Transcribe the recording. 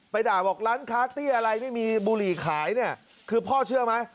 ด่าบอกร้านค้าเตี้ยอะไรไม่มีบุหรี่ขายเนี่ยคือพ่อเชื่อไหม